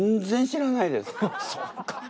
そっか。